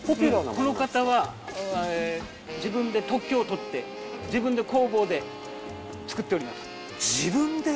この方は自分で特許を取って自分で工房で作っております。